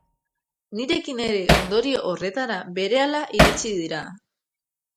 Nirekin ere ondorio horretara berehala iritsi dira.